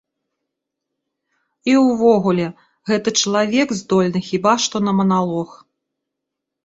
І ўвогуле, гэты чалавек здольны хіба што на маналог.